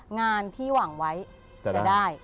งานที่หวังไว้จะได้